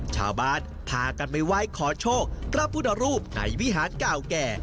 ชาวบ้านพากันไปไหว้ขอโชคพระพุทธรูปในวิหารเก่าแก่